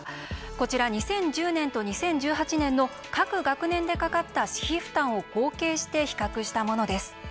こちら２０１０年と２０１８年の各学年でかかった私費負担を合計して比較したものです。